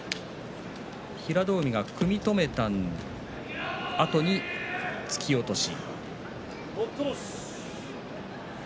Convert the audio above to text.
平戸海が組み止めたあとに突き落とし。